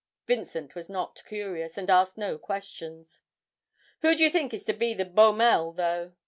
Vincent was not curious, and asked no questions. 'Who do you think is to be the Beaumelle, though?'